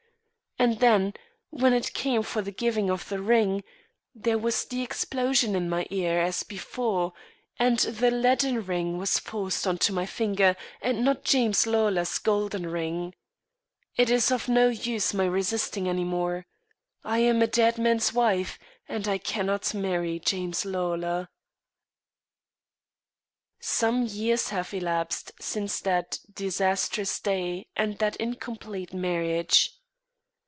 And then, when it came to the giving of the ring, there was the explosion in my ear, as before and the leaden ring was forced on to my finger, and not James Lawlor's golden ring. It is of no use my resisting any more. I am a dead man's wife, and I cannot marry James Lawlor." Some years have elapsed since that disastrous day and that incomplete marriage.